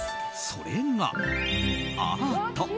それが、アート！